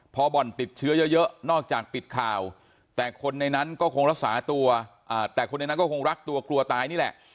เพราะบ่อนติดเชื้อเยอะนอกจากปิดข่าวแต่คนในนั้นก็คงรักตัวกลัวตายนี่แหละ